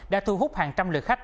đã thu hút hàng trăm lượt khách